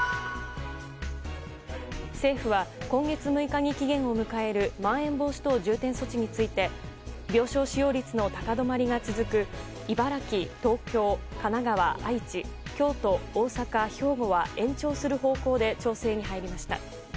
政府は今月６日に期限を迎えるまん延防止等重点措置について病床使用率の高止まりが続く茨城、東京、神奈川、愛知京都、大阪、兵庫は延長する方向で調整に入りました。